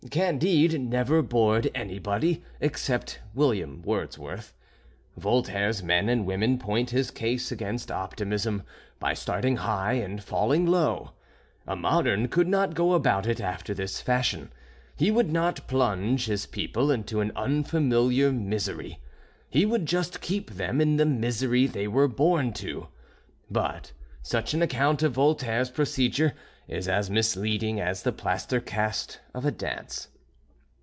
"Candide" never bored anybody except William Wordsworth. Voltaire's men and women point his case against optimism by starting high and falling low. A modern could not go about it after this fashion. He would not plunge his people into an unfamiliar misery. He would just keep them in the misery they were born to. But such an account of Voltaire's procedure is as misleading as the plaster cast of a dance.